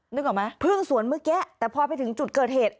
นึกออกไหมเพิ่งสวนเมื่อกี้แต่พอไปถึงจุดเกิดเหตุ